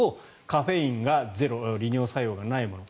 カフェインがゼロ利尿作用がないもの。